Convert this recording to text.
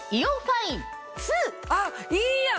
あっいいやん